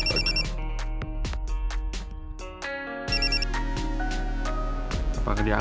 ada telepon lagi bu nawang